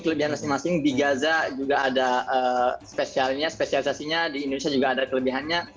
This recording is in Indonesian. kelebihan masing masing di gaza juga ada spesialnya spesialisasinya di indonesia juga ada kelebihannya